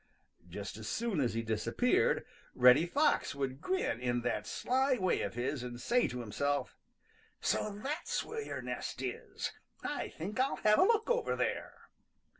Just as soon as he disappeared, Reddy Fox would grin in that sly way of his and say to himself, "So that's where your nest is! I think I'll have a look over there."